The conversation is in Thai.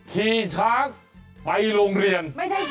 ขี่ช้างไปโรงเรียน